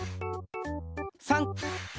３！